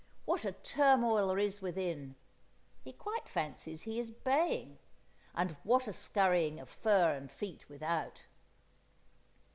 what a turmoil there is within (he quite fancies he is "baying"), and what a scurrying of fur and feet without!